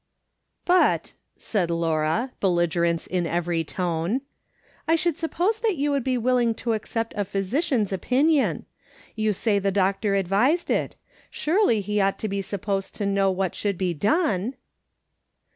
" But," said Laura, belligerence in every tone, " I should suppose that you would be willing to accept a physician's opinion. You say the doctor advised it. Surely he ought to be supposed to know what should be done